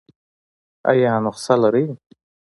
ایا نسخه لرئ؟